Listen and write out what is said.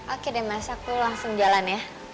oke deh mas aku langsung jalan ya